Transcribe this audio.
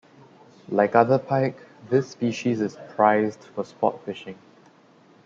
Like other pike, this species is prized for sport fishing.